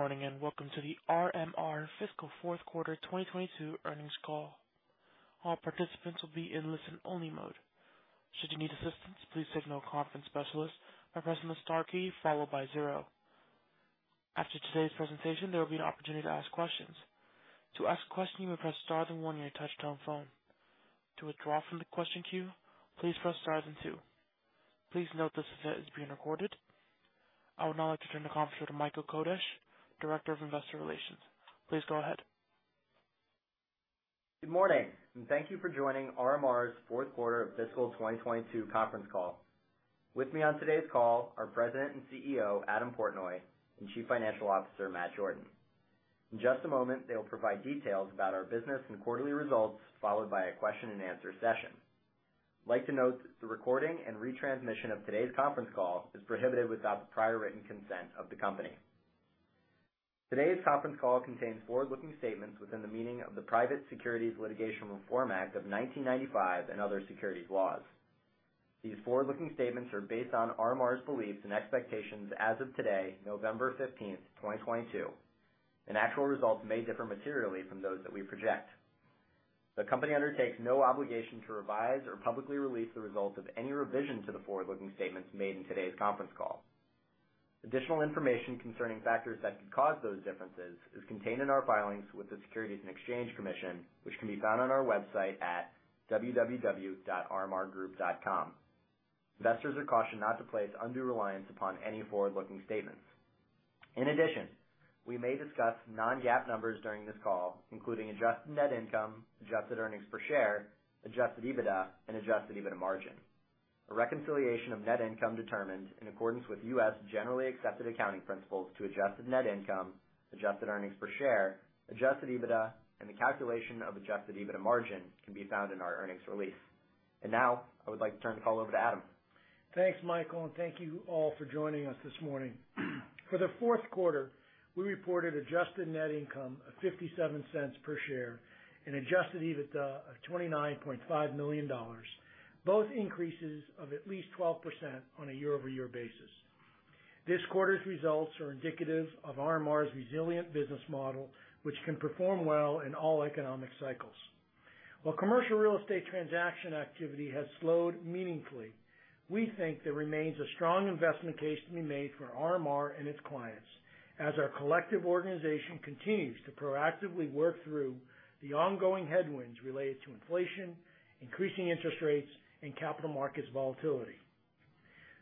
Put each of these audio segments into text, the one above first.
Good morning, and welcome to the RMR fiscal fourth quarter 2022 earnings call. All participants will be in listen-only mode. Should you need assistance, please signal a conference specialist by pressing the star key followed by zero. After today's presentation, there will be an opportunity to ask questions. To ask a question, you may press star then one on your touch-tone phone. To withdraw from the question queue, please press star then two. Please note this event is being recorded. I would now like to turn the conference over to Michael Kodesch, Director of Investor Relations. Please go ahead. Good morning, and thank you for joining RMR's fourth quarter of fiscal 2022 conference call. With me on today's call are President and CEO, Adam Portnoy, and Chief Financial Officer, Matt Jordan. In just a moment, they will provide details about our business and quarterly results, followed by a question and answer session. I'd like to note the recording and retransmission of today's conference call is prohibited without the prior written consent of the company. Today's conference call contains forward-looking statements within the meaning of the Private Securities Litigation Reform Act of 1995 and other securities laws. These forward-looking statements are based on RMR's beliefs and expectations as of today, November 15, 2022, and actual results may differ materially from those that we project. The company undertakes no obligation to revise or publicly release the results of any revision to the forward-looking statements made in today's conference call. Additional information concerning factors that could cause those differences is contained in our filings with the Securities and Exchange Commission, which can be found on our website at www.rmrgroup.com. Investors are cautioned not to place undue reliance upon any forward-looking statements. In addition, we may discuss non-GAAP numbers during this call, including adjusted net income, adjusted earnings per share, adjusted EBITDA, and adjusted EBITDA margin. A reconciliation of net income determined in accordance with U.S. generally accepted accounting principles to adjusted net income, adjusted earnings per share, adjusted EBITDA, and the calculation of adjusted EBITDA margin can be found in our earnings release. Now I would like to turn the call over to Adam Portnoy. Thanks, Michael, and thank you all for joining us this morning. For the fourth quarter, we reported adjusted net income of $0.57 per share and adjusted EBITDA of $29.5 million, both increases of at least 12% on a year-over-year basis. This quarter's results are indicative of RMR's resilient business model, which can perform well in all economic cycles. While commercial real estate transaction activity has slowed meaningfully, we think there remains a strong investment case to be made for RMR and its clients as our collective organization continues to proactively work through the ongoing headwinds related to inflation, increasing interest rates, and capital markets volatility.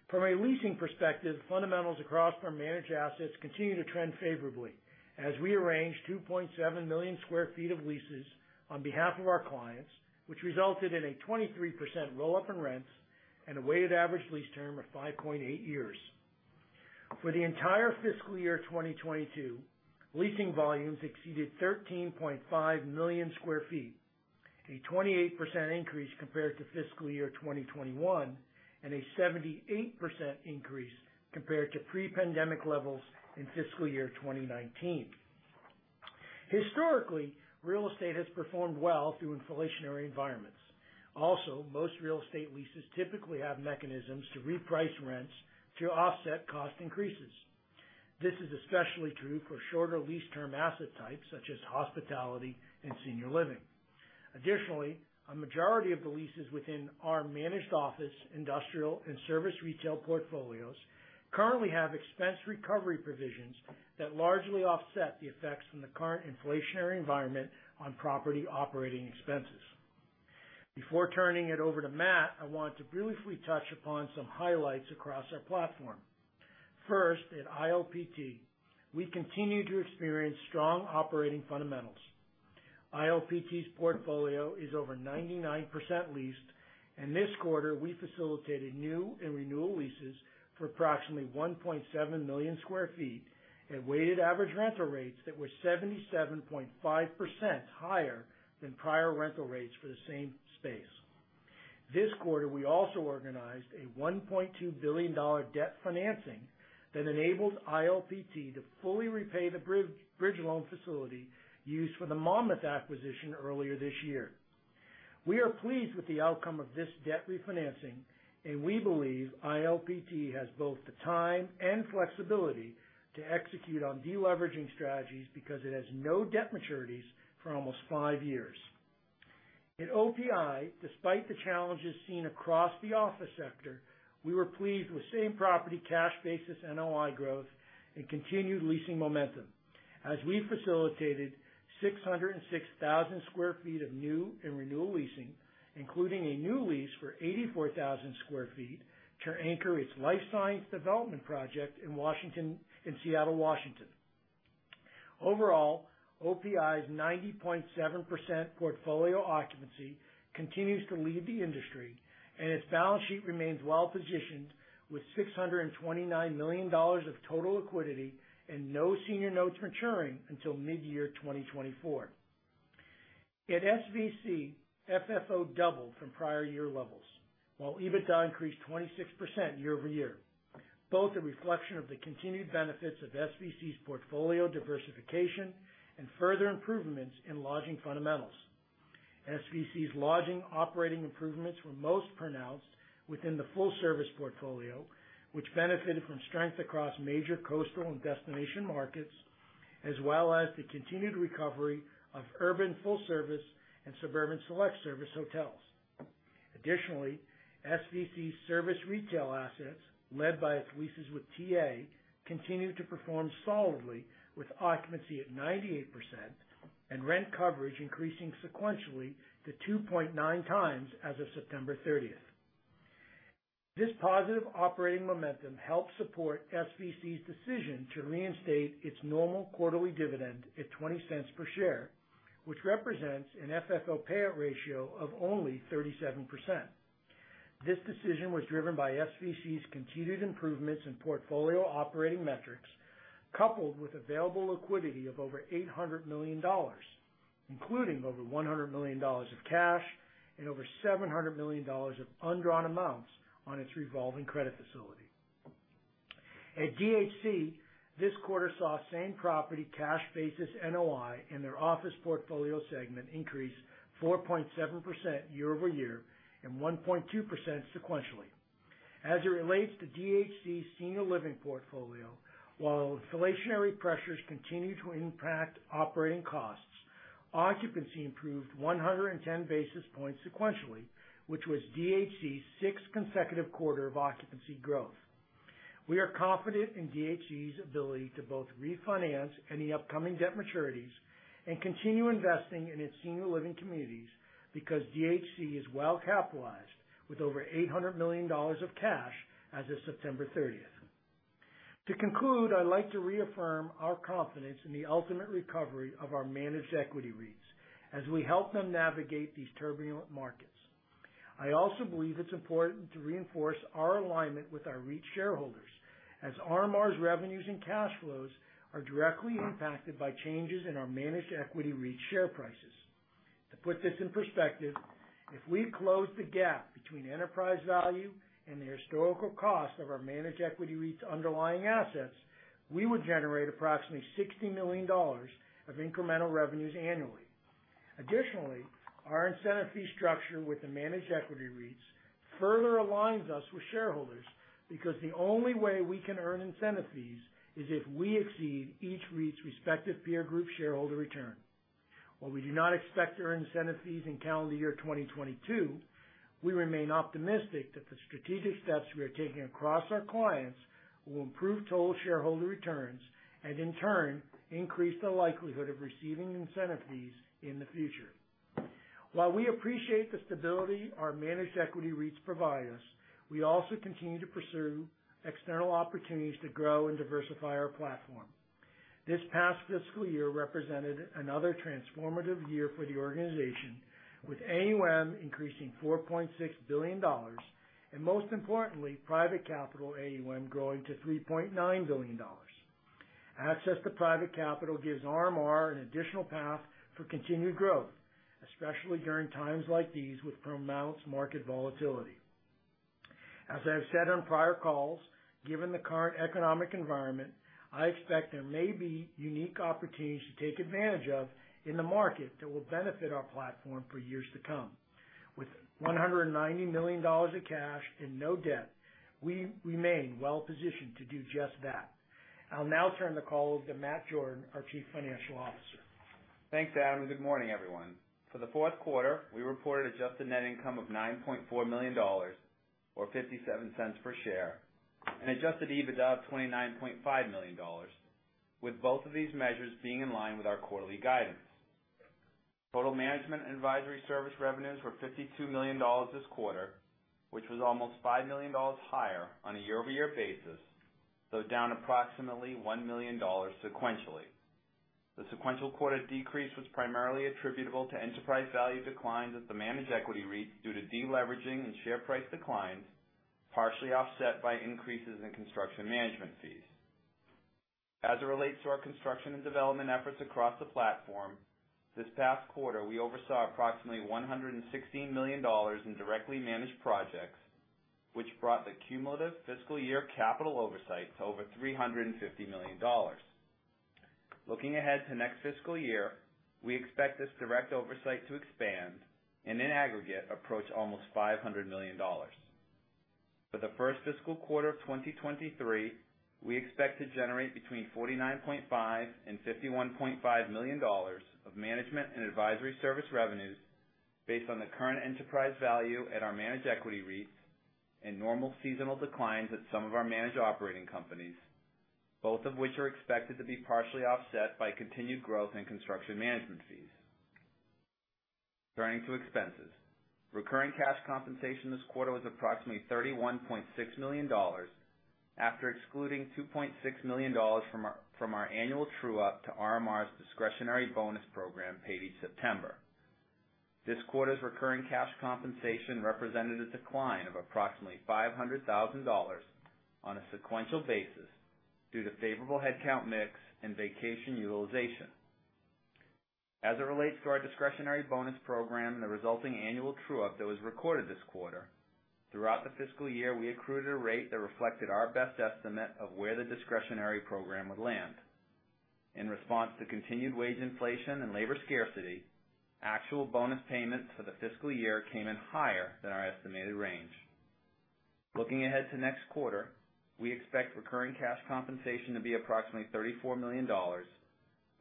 From a leasing perspective, fundamentals across our managed assets continue to trend favorably as we arrange 2.7 million sq ft of leases on behalf of our clients, which resulted in a 23% roll-up in rents and a weighted average lease term of 5.8 years. For the entire fiscal year 2022, leasing volumes exceeded 13.5 million sq ft, a 28% increase compared to fiscal year 2021, and a 78% increase compared to pre-pandemic levels in fiscal year 2019. Historically, real estate has performed well through inflationary environments. Most real estate leases typically have mechanisms to reprice rents to offset cost increases. This is especially true for shorter lease term asset types such as hospitality and senior living. Additionally, a majority of the leases within our managed office, industrial, and service retail portfolios currently have expense recovery provisions that largely offset the effects from the current inflationary environment on property operating expenses. Before turning it over to Matt, I want to briefly touch upon some highlights across our platform. First, at ILPT, we continue to experience strong operating fundamentals. ILPT's portfolio is over 99% leased, and this quarter we facilitated new and renewal leases for approximately 1.7 million sq ft at weighted average rental rates that were 77.5% higher than prior rental rates for the same space. This quarter, we also organized a $1.2 billion debt financing that enabled ILPT to fully repay the bridge loan facility used for the Monmouth acquisition earlier this year. We are pleased with the outcome of this debt refinancing, and we believe ILPT has both the time and flexibility to execute on deleveraging strategies because it has no debt maturities for almost five years. At OPI, despite the challenges seen across the office sector, we were pleased with same-property cash basis NOI growth and continued leasing momentum as we facilitated 606,000 sq ft of new and renewal leasing, including a new lease for 84,000 sq ft to anchor its life science development project in Seattle, Washington. Overall, OPI's 90.7% portfolio occupancy continues to lead the industry, and its balance sheet remains well positioned with $629 million of total liquidity and no senior notes maturing until mid-year 2024. At SVC, FFO doubled from prior year levels, while EBITDA increased 26% year-over-year, both a reflection of the continued benefits of SVC's portfolio diversification and further improvements in lodging fundamentals. SVC's lodging operating improvements were most pronounced within the full service portfolio, which benefited from strength across major coastal and destination markets, as well as the continued recovery of urban full service and suburban select service hotels. Additionally, SVC service retail assets led by its leases with TA, continued to perform solidly with occupancy at 98% and rent coverage increasing sequentially to 2.9x as of September 30th. This positive operating momentum helped support SVC's decision to reinstate its normal quarterly dividend at $0.20 per share, which represents an FFO payout ratio of only 37%. This decision was driven by SVC's continued improvements in portfolio operating metrics, coupled with available liquidity of over $800 million, including over $100 million of cash and over $700 million of undrawn amounts on its revolving credit facility. At DHC, this quarter saw same property cash basis NOI in their office portfolio segment increase 4.7% year-over-year and 1.2% sequentially. As it relates to DHC's senior living portfolio, while inflationary pressures continue to impact operating costs, occupancy improved 110 basis points sequentially, which was DHC's sixth consecutive quarter of occupancy growth. We are confident in DHC's ability to both refinance any upcoming debt maturities and continue investing in its senior living communities because DHC is well capitalized with over $800 million of cash as of September 30th. To conclude, I'd like to reaffirm our confidence in the ultimate recovery of our managed equity REITs as we help them navigate these turbulent markets. I also believe it's important to reinforce our alignment with our REIT shareholders as RMR's revenues and cash flows are directly impacted by changes in our managed equity REIT share prices. To put this in perspective, if we close the gap between enterprise value and the historical cost of our managed equity REIT's underlying assets, we would generate approximately $60 million of incremental revenues annually. Additionally, our incentive fee structure with the managed equity REITs further aligns us with shareholders because the only way we can earn incentive fees is if we exceed each REIT's respective peer group shareholder return. While we do not expect to earn incentive fees in calendar year 2022, we remain optimistic that the strategic steps we are taking across our clients will improve total shareholder returns and in turn, increase the likelihood of receiving incentive fees in the future. While we appreciate the stability our managed equity REITs provide us, we also continue to pursue external opportunities to grow and diversify our platform. This past fiscal year represented another transformative year for the organization, with AUM increasing $4.6 billion, and most importantly, private capital AUM growing to $3.9 billion. Access to private capital gives RMR an additional path for continued growth, especially during times like these with pronounced market volatility. As I've said on prior calls, given the current economic environment, I expect there may be unique opportunities to take advantage of in the market that will benefit our platform for years to come. With $190 million of cash and no debt, we remain well-positioned to do just that. I'll now turn the call over to Matt Jordan, our Chief Financial Officer. Thanks, Adam, good morning, everyone. For the fourth quarter, we reported adjusted net income of $9.4 million or $0.57 per share, and adjusted EBITDA of $29.5 million, with both of these measures being in line with our quarterly guidance. Total management and advisory service revenues were $52 million this quarter, which was almost $5 million higher on a year-over-year basis, though down approximately $1 million sequentially. The sequential quarter decrease was primarily attributable to enterprise value declines at the managed equity REITs due to deleveraging and share price declines, partially offset by increases in construction management fees. As it relates to our construction and development efforts across the platform, this past quarter, we oversaw approximately $116 million in directly managed projects, which brought the cumulative fiscal year capital oversight to over $350 million. Looking ahead to next fiscal year, we expect this direct oversight to expand and in aggregate, approach almost $500 million. For the first fiscal quarter of 2023, we expect to generate between $49.5 million and $51.5 million of management and advisory service revenues based on the current enterprise value at our managed equity REITs and normal seasonal declines at some of our managed operating companies, both of which are expected to be partially offset by continued growth in construction management fees. Turning to expenses. Recurring cash compensation this quarter was approximately $31.6 million after excluding $2.6 million from our annual true-up to RMR's discretionary bonus program paid each September. This quarter's recurring cash compensation represented a decline of approximately $500,000 on a sequential basis due to favorable headcount mix and vacation utilization. As it relates to our discretionary bonus program and the resulting annual true-up that was recorded this quarter, throughout the fiscal year, we accrued a rate that reflected our best estimate of where the discretionary program would land. In response to continued wage inflation and labor scarcity, actual bonus payments for the fiscal year came in higher than our estimated range. Looking ahead to next quarter, we expect recurring cash compensation to be approximately $34 million,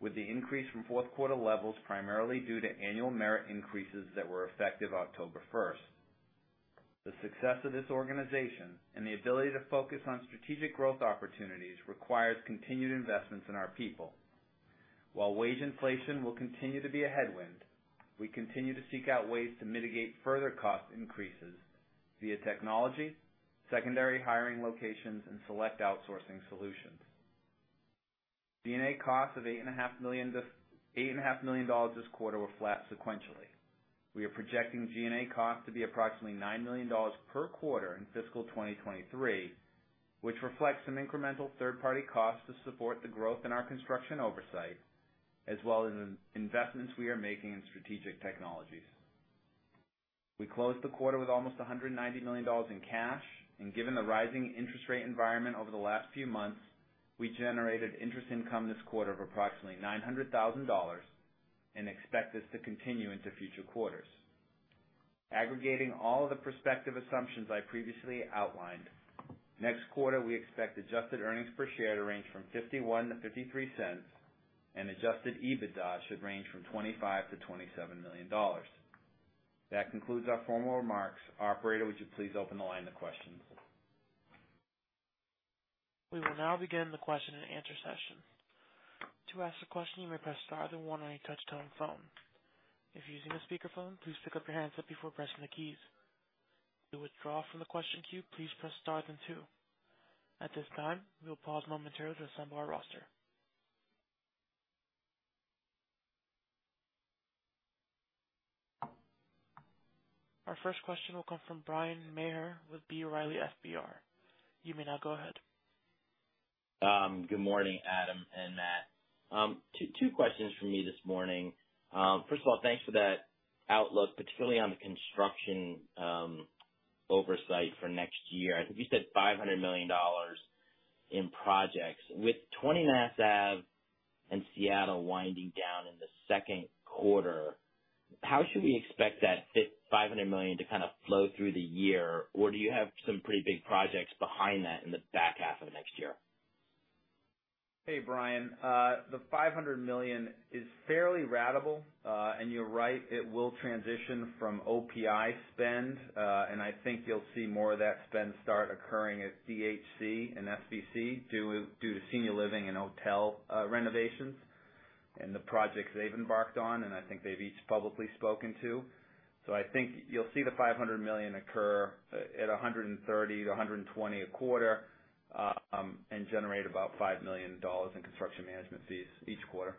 with the increase from fourth quarter levels primarily due to annual merit increases that were effective October 1st. The success of this organization and the ability to focus on strategic growth opportunities requires continued investments in our people. While wage inflation will continue to be a headwind, we continue to seek out ways to mitigate further cost increases via technology, secondary hiring locations, and select outsourcing solutions. G&A costs of $8.5 million this quarter were flat sequentially. We are projecting G&A costs to be approximately $9 million per quarter in fiscal 2023, which reflects some incremental third-party costs to support the growth in our construction oversight, as well as in investments we are making in strategic technologies. We closed the quarter with almost $190 million in cash, and given the rising interest rate environment over the last few months, we generated interest income this quarter of approximately $900,000 and expect this to continue into future quarters. Aggregating all of the prospective assumptions I previously outlined, next quarter we expect adjusted earnings per share to range from $0.51-$0.53 and adjusted EBITDA should range from $25 million-$27 million. That concludes our formal remarks. Operator, would you please open the line to questions? We will now begin the question and answer session. To ask a question, you may press star then one on your touchtone phone. If you're using a speakerphone, please pick up your handset before pressing the keys. To withdraw from the question queue, please press star then two. At this time, we will pause momentarily to assemble our roster. Our first question will come from Bryan Maher with B. Riley Securities. You may now go ahead. Good morning, Adam and Matt. Two questions from me this morning. First of all, thanks for that outlook, particularly on the construction oversight for next year. I think you said $500 million in projects. With 29th Avenue and Seattle winding down in the second quarter, how should we expect that $500 million to kind of flow through the year? Or do you have some pretty big projects behind that in the back half of next year? Hey, Bryan. The $500 million is fairly ratable. You're right, it will transition from OPI spend. I think you'll see more of that spend start occurring at DHC and SVC due to senior living and hotel renovations and the projects they've embarked on, and I think they've each publicly spoken to. I think you'll see the $500 million occur at $130 million-$120 million a quarter, and generate about $5 million in construction management fees each quarter.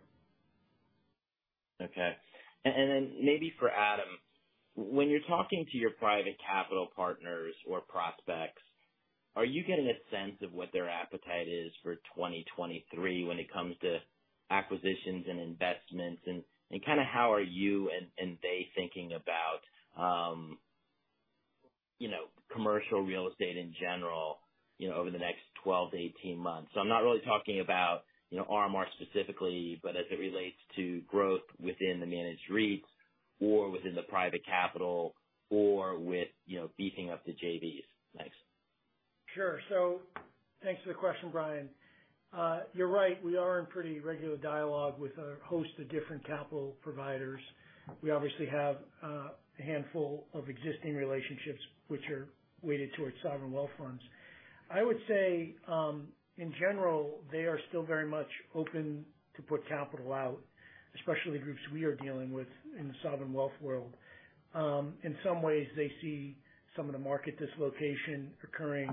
Okay. And then maybe for Adam, when you're talking to your private capital partners or prospects, are you getting a sense of what their appetite is for 2023 when it comes to acquisitions and investments and kind of how are you and they thinking about, you know, commercial real estate in general, you know, over the next 12-18 months? I'm not really talking about, you know, RMR specifically, but as it relates to growth within the managed REITs or within the private capital or with, you know, beefing up the JVs. Thanks. Sure. Thanks for the question, Bryan. You're right, we are in pretty regular dialogue with a host of different capital providers. We obviously have a handful of existing relationships which are weighted towards sovereign wealth funds. I would say in general, they are still very much open to put capital out, especially groups we are dealing with in the sovereign wealth world. In some ways, they see some of the market dislocation occurring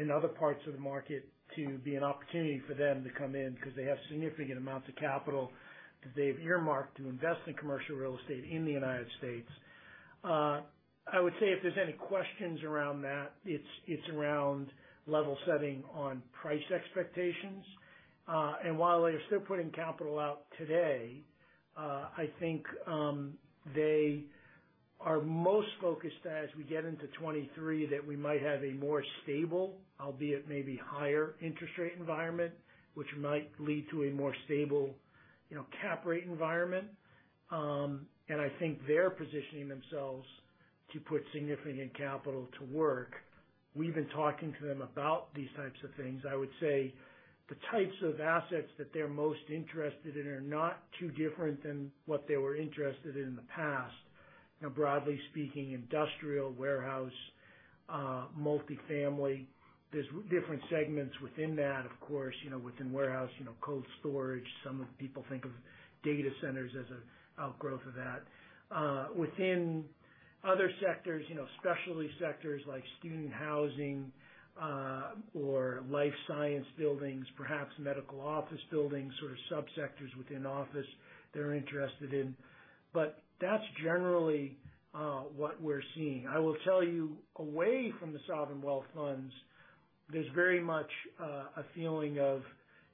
in other parts of the market to be an opportunity for them to come in because they have significant amounts of capital that they've earmarked to invest in commercial real estate in the United States. I would say if there's any questions around that, it's around level setting on price expectations. While they're still putting capital out today, I think they are most focused as we get into 2023, that we might have a more stable, albeit maybe higher interest rate environment, which might lead to a more stable, you know, cap rate environment. I think they're positioning themselves to put significant capital to work. We've been talking to them about these types of things. I would say the types of assets that they're most interested in are not too different than what they were interested in in the past. You know, broadly speaking, industrial, warehouse, multifamily. There's different segments within that, of course, you know, within warehouse, you know, cold storage. Some of the people think of data centers as an outgrowth of that. Within other sectors, you know, specialty sectors like student housing, or life science buildings, perhaps medical office buildings or subsectors within office they're interested in. That's generally what we're seeing. I will tell you, away from the sovereign wealth funds, there's very much a feeling of,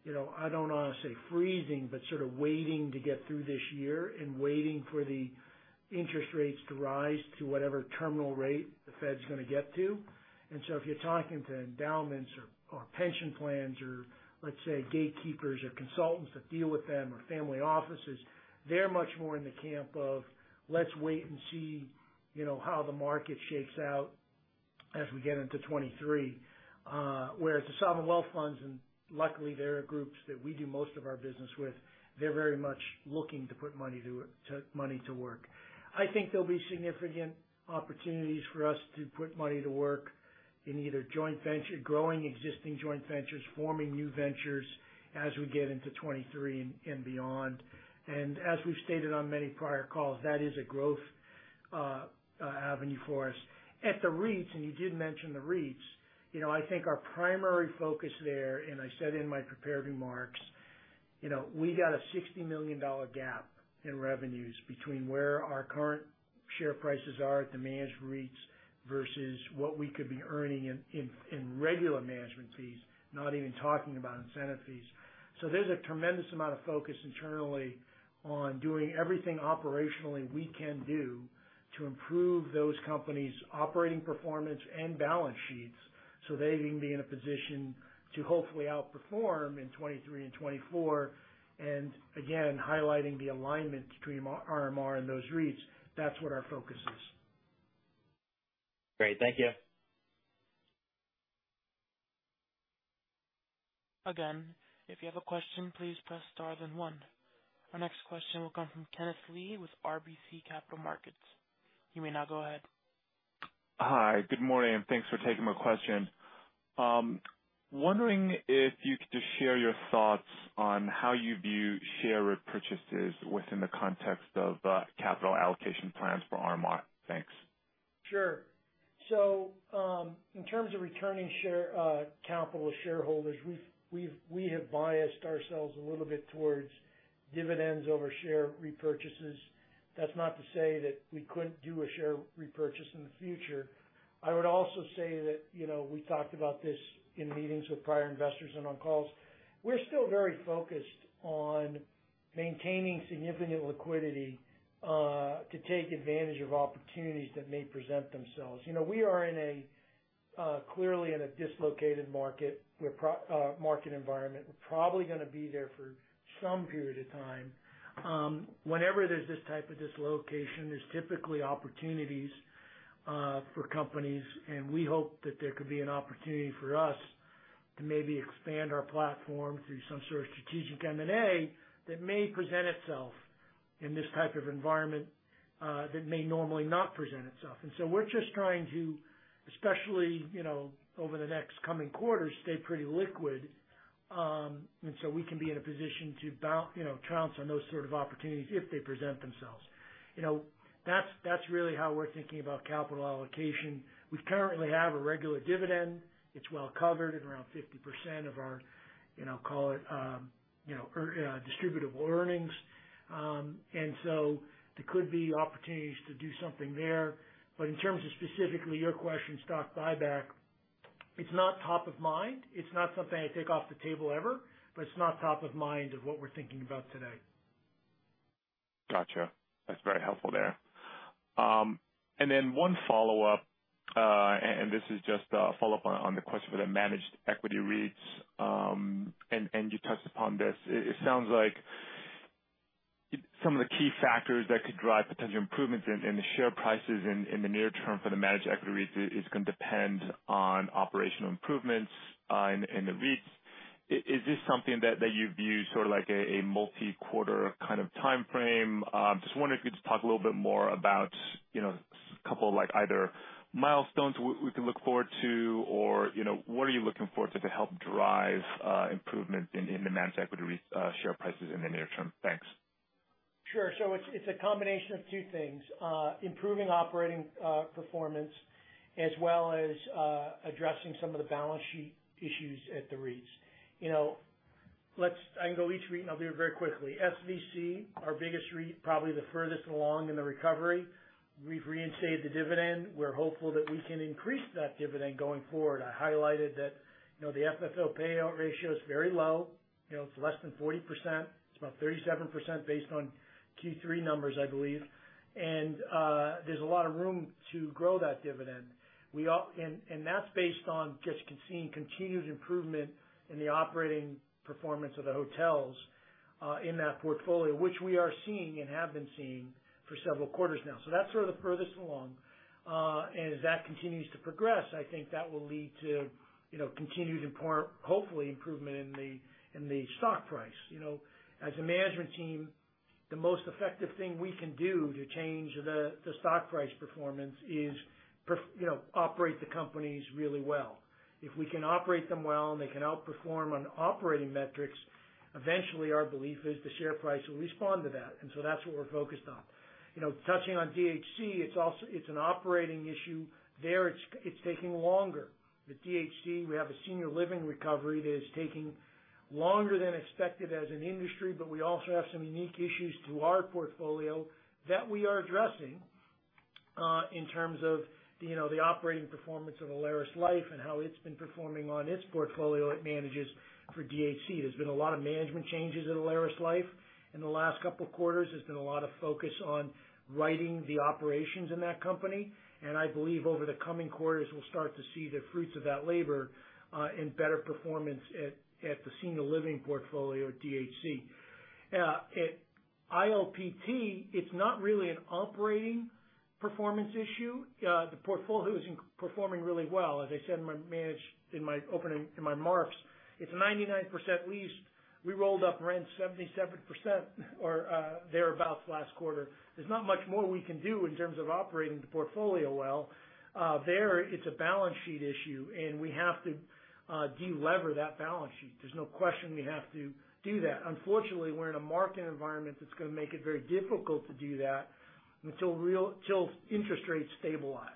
you know, I don't wanna say freezing, but sort of waiting to get through this year and waiting for the interest rates to rise to whatever terminal rate the Fed's gonna get to. If you're talking to endowments or pension plans or let's say gatekeepers or consultants that deal with them or family offices, they're much more in the camp of let's wait and see, you know, how the market shakes out as we get into 2023. Whereas the sovereign wealth funds, and luckily they are groups that we do most of our business with, they're very much looking to put money to work. I think there'll be significant opportunities for us to put money to work in either joint venture, growing existing joint ventures, forming new ventures as we get into 2023 and beyond. As we've stated on many prior calls, that is a growth avenue for us. At the REITs, and you did mention the REITs, you know, I think our primary focus there, and I said in my prepared remarks, you know, we got a $60 million gap in revenues between where our current share prices are at the managed REITs versus what we could be earning in regular management fees, not even talking about incentive fees. There's a tremendous amount of focus internally on doing everything operationally we can do to improve those companies' operating performance and balance sheets so they can be in a position to hopefully outperform in 2023 and 2024, and again, highlighting the alignment between RMR and those REITs. That's what our focus is. Great. Thank you. Again, if you have a question, please press star then one. Our next question will come from Kenneth Lee with RBC Capital Markets. You may now go ahead. Hi, good morning, and thanks for taking my question. Wondering if you could just share your thoughts on how you view share repurchases within the context of, capital allocation plans for RMR. Thanks. Sure. In terms of returning share capital to shareholders, we have biased ourselves a little bit towards dividends over share repurchases. That's not to say that we couldn't do a share repurchase in the future. I would also say that, you know, we talked about this in meetings with prior investors and on calls, we're still very focused on maintaining significant liquidity to take advantage of opportunities that may present themselves. You know, we are clearly in a dislocated market environment. We're probably gonna be there for some period of time. Whenever there's this type of dislocation, there's typically opportunities for companies, and we hope that there could be an opportunity for us to maybe expand our platform through some sort of strategic M&A that may present itself in this type of environment that may normally not present itself. We're just trying to, especially, you know, over the next coming quarters, stay pretty liquid, and so we can be in a position to, you know, pounce on those sort of opportunities if they present themselves. You know, that's really how we're thinking about capital allocation. We currently have a regular dividend. It's well covered at around 50% of our, you know, call it, distributable earnings. There could be opportunities to do something there. In terms of specifically your question, stock buyback, it's not top of mind. It's not something I take off the table ever, but it's not top of mind of what we're thinking about today. Gotcha. That's very helpful there. Then one follow-up, and this is just a follow-up on the question for the managed equity REITs, and you touched upon this. It sounds like some of the key factors that could drive potential improvements in the share prices in the near term for the managed equity REITs is gonna depend on operational improvements in the REITs. Is this something that you view sort of like a multi-quarter kind of timeframe? Just wondering if you could just talk a little bit more about, you know, couple of like either milestones we can look forward to or, you know, what are you looking forward to help drive improvement in the managed equity REITs share prices in the near term? Thanks. Sure. It's a combination of two things. Improving operating performance as well as addressing some of the balance sheet issues at the REITs. You know, let's. I can go each REIT, and I'll be very quickly. SVC, our biggest REIT, probably the furthest along in the recovery. We've reinstated the dividend. We're hopeful that we can increase that dividend going forward. I highlighted that, you know, the FFO payout ratio is very low. You know, it's less than 40%. It's about 37% based on Q3 numbers, I believe. There's a lot of room to grow that dividend. That's based on just seeing continued improvement in the operating performance of the hotels in that portfolio, which we are seeing and have been seeing for several quarters now. That's sort of the furthest along, and as that continues to progress, I think that will lead to, you know, continued, hopefully, improvement in the stock price. You know, as a management team, the most effective thing we can do to change the stock price performance is, you know, operate the companies really well. If we can operate them well and they can outperform on operating metrics, eventually our belief is the share price will respond to that. That's what we're focused on. You know, touching on DHC, it's also an operating issue there. It's taking longer. With DHC, we have a senior living recovery that is taking longer than expected as an industry, but we also have some unique issues to our portfolio that we are addressing. In terms of, you know, the operating performance of AlerisLife and how it's been performing on its portfolio it manages for DHC. There's been a lot of management changes at AlerisLife. In the last couple of quarters, there's been a lot of focus on righting the operations in that company, and I believe over the coming quarters, we'll start to see the fruits of that labor, in better performance at the senior living portfolio at DHC. At ILPT, it's not really an operating performance issue. The portfolio is performing really well. As I said in my opening remarks, it's 99% leased. We rolled up rent 77% or thereabout last quarter. There's not much more we can do in terms of operating the portfolio well. There, it's a balance sheet issue, and we have to de-lever that balance sheet. There's no question we have to do that. Unfortunately, we're in a market environment that's gonna make it very difficult to do that until till interest rates stabilize.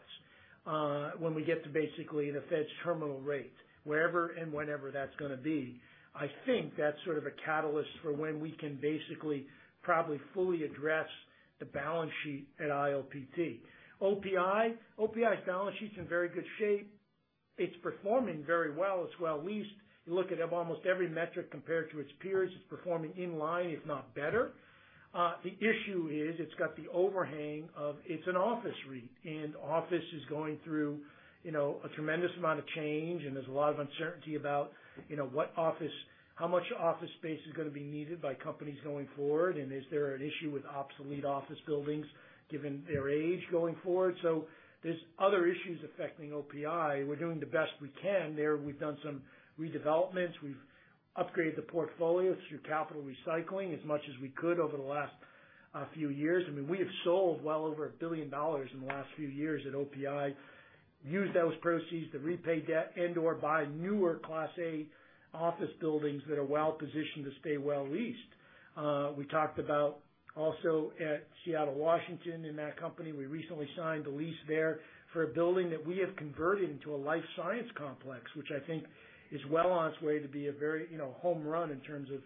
When we get to basically the Fed's terminal rate, wherever and whenever that's gonna be, I think that's sort of a catalyst for when we can basically probably fully address the balance sheet at ILPT. OPI. OPI's balance sheet's in very good shape. It's performing very well. It's well-leased. You look at almost every metric compared to its peers, it's performing in line, if not better. The issue is it's got the overhang of it's an office REIT, and office is going through, you know, a tremendous amount of change, and there's a lot of uncertainty about, you know, what office, how much office space is gonna be needed by companies going forward, and is there an issue with obsolete office buildings given their age going forward. There's other issues affecting OPI. We're doing the best we can. Then we've done some redevelopments. We've upgraded the portfolio through capital recycling as much as we could over the last few years. I mean, we have sold well over $1 billion in the last few years at OPI, used those proceeds to repay debt and/or buy newer Class A office buildings that are well positioned to stay well-leased. We talked about also at Seattle, Washington, in that company, we recently signed a lease there for a building that we have converted into a life science complex, which I think is well on its way to be a very, you know, home run in terms of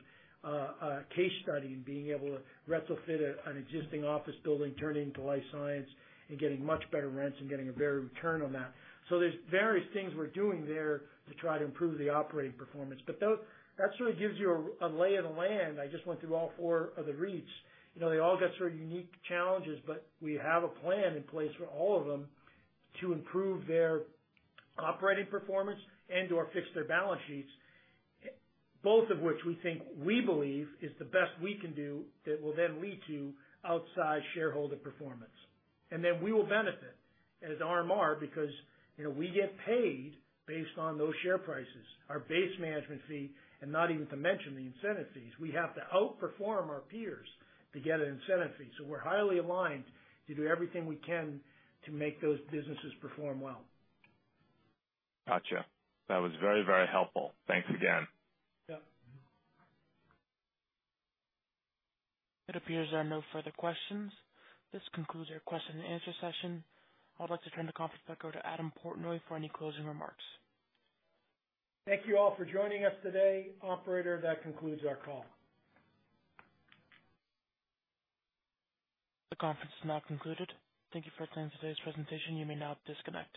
case study and being able to retrofit an existing office building, turn it into life science and getting much better rents and getting a better return on that. There's various things we're doing there to try to improve the operating performance. That sort of gives you a lay of the land. I just went through all four of the REITs. You know, they all got sort of unique challenges, but we have a plan in place for all of them to improve their operating performance and/or fix their balance sheets, both of which we think, we believe is the best we can do that will then lead to outsized shareholder performance. Then we will benefit as RMR because, you know, we get paid based on those share prices. Our base management fee and not even to mention the incentive fees, we have to outperform our peers to get an incentive fee. We're highly aligned to do everything we can to make those businesses perform well. Gotcha. That was very, very helpful. Thanks again. Yeah. Mm-hmm. It appears there are no further questions. This concludes our question and answer session. I'd like to turn the conference back over to Adam Portnoy for any closing remarks. Thank you all for joining us today. Operator, that concludes our call. The conference is now concluded. Thank you for attending today's presentation. You may now disconnect.